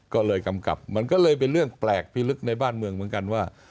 ก็เลยกำกับมันก็เลยเป็นเรื่องแปลกพิลึกในบ้านเมืองเหมือนกันว่า